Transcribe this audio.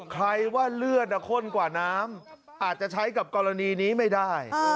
ใครว่าเลือดข้นกว่าน้ำอาจจะใช้กับกรณีนี้ไม่ได้